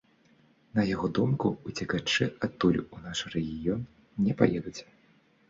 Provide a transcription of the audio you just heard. На яго думку, уцекачы адтуль у наш рэгіён не паедуць.